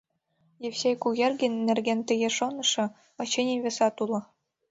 Евсей Кугергин нерген тыге шонышо, очыни, весат уло.